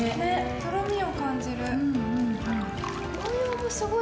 とろみを感じる。